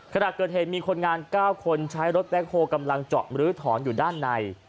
ขณะเกิดเหตุมีคนงาน๙คนใช้รถแบ็คโฮลกำลังเจาะมลื้อถอนอยู่ด้านใน